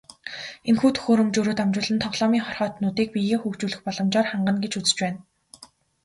Энэхүү төхөөрөмжөөрөө дамжуулан тоглоомын хорхойтнуудыг биеэ хөгжүүлэх боломжоор хангана гэж үзэж байна.